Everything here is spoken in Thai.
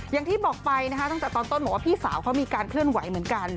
อย่างที่บอกไปนะคะตั้งแต่ตอนต้นบอกว่าพี่สาวเขามีการเคลื่อนไหวเหมือนกัน